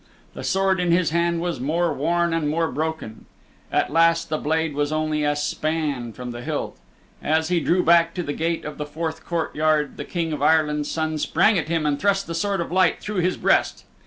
The sword in his hand was more worn and more broken. At last the blade was only a span from the hilt. As he drew back to the gate of the fourth courtyard the King of Ireland's Son sprang at him and thrust the Sword of Light through his breast.